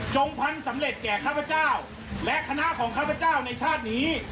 พันธุ์สำเร็จแก่ข้าพเจ้าและคณะของข้าพเจ้าในชาตินี้